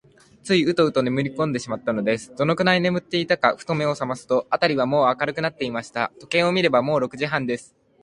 ついウトウトねむりこんでしまったのです。どのくらいねむったのか、ふと目をさますと、あたりはもう明るくなっていました。時計を見れば、もう六時半です。